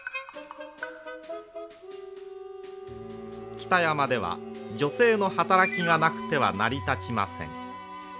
北山では女性の働きがなくては成り立ちません。